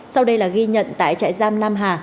sau đây là ghi nhận tại trại giam nam hà